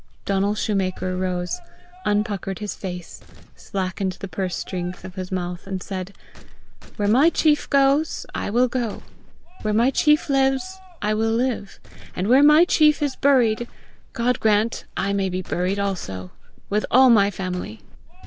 Donal shoemaker rose, unpuckered his face, slackened the purse strings of his mouth, and said, "Where my chief goes, I will go; where my chief lives, I will live; and where my chief is buried, God grant I may be buried also, with all my family!"